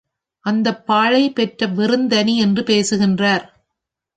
அந்தப் பாழைப் பெற்ற வெறுந்தனி என்று பேசுகின்றார்.